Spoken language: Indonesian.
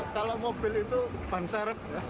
kalau mobil itu banser